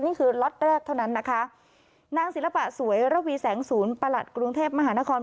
นี่คือล็อตแรกเท่านั้นนะคะนางศิลปะสวยระวีแสงศูนย์ประหลัดกรุงเทพมหานคร